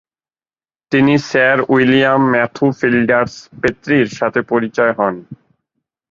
তিনি sir William Matthew Flinders পেত্রির সাথে পরিচয় হন।